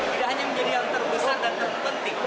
tidak hanya menjadi yang terbesar dan terpenting